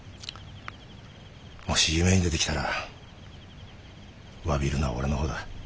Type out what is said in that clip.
もし夢に出てきたらわびるのは俺のほうだ。